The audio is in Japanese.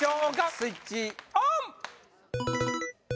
スイッチオン！